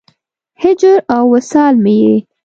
هجر او وصال مې یې